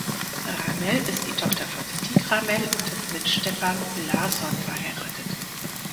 Ramel ist die Tochter von Stig Ramel und ist mit Stefan Larsson verheiratet.